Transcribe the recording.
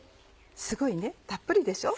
すごいねたっぷりでしょ？